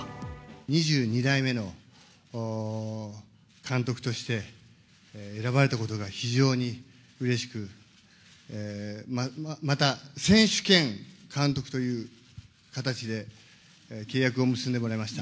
２２代目の監督として選ばれたことが非常にうれしく、また選手兼監督という形で契約を結んでもらいました。